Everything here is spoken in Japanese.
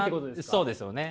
そうですよね。